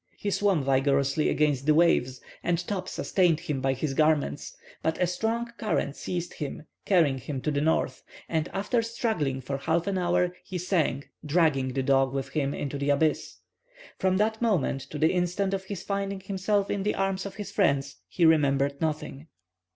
He swum vigorously against the waves, and Top sustained him by his garments; but a strong current seized him, carrying him to the north, and, after struggling for half an hour, he sank, dragging the dog with him into the abyss. From that moment to the instant of his finding himself in the arms of his friends, he remembered nothing.